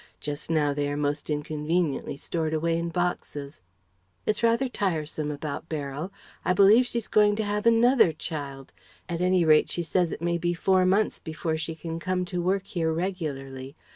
Just now they are most inconveniently stored away in boxes. It's rather tiresome about Beryl. I believe she's going to have another child. At any rate she says it may be four months before she can come to work here regularly.